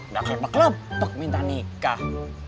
gak kepek kelepek minta nikah